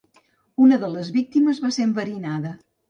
Una de les víctimes va ser enverinada.